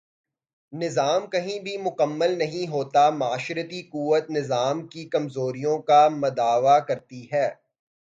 نظام کہیں بھی مکمل نہیں ہوتا معاشرتی قوت نظام کی کمزوریوں کا مداوا کرتی ہے۔